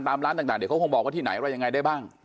ตามร้านต่างเดี๋ยวเขาคงบอกว่าที่ไหนอะไรยังไงได้บ้าง